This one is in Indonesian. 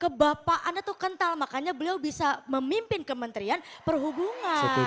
kebapaannya tuh kental makanya beliau bisa memimpin kementerian perhubungan